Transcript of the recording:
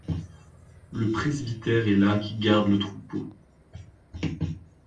Le presbytère est là qui garde le troupeau ;